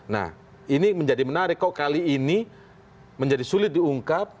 nah ini menjadi menarik kok kali ini menjadi sulit diungkap